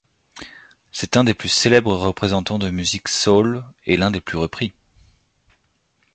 C'est un des plus célèbres représentants de musique soul et l'un des plus repris.